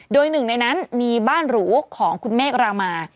โดยหนึ่งในนั้นมีบ้านหรูของคุณเมฆรามา